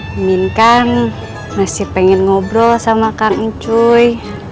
miminkan masih pengen ngobrol sama kangen cuy